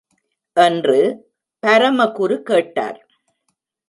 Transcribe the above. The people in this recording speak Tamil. என்று பரமகுரு கேட்டார்.